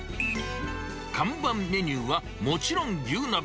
看板メニューは、もちろん牛鍋。